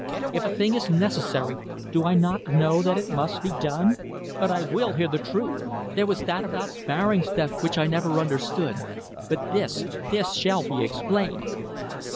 If a thing is necessary, do I not know that it must be done? But I will hear the truth. There was that about Baring's death which I never understood; but this this shall be explained."